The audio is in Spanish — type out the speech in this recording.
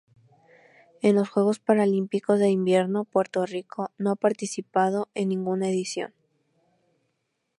En los Juegos Paralímpicos de Invierno Puerto Rico no ha participado en ninguna edición.